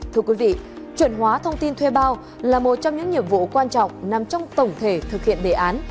thưa quý vị chuẩn hóa thông tin thuê bao là một trong những nhiệm vụ quan trọng nằm trong tổng thể thực hiện đề án